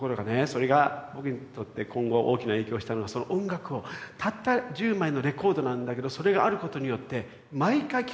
それが僕にとって今後大きな影響をしたのはその音楽をたった１０枚のレコードなんだけどそれがあることによって毎回聴くと最初はこう思った。